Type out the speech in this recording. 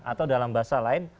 atau dalam bahasa lain